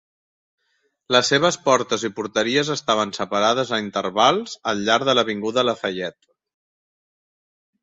Les seves portes i porteries estaven separades a intervals al llarg de l'avinguda Lafayette.